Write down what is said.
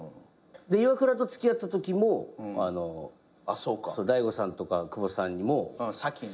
イワクラと付き合ったときも大悟さんとか久保田さんにも先に。